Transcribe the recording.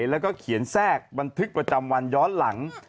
แล้วก็เขียนแทรกบันทึกประจำวันย้อนหลัง